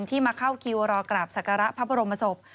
มาเข้าคิวรอกราบศักระพระบรมศพ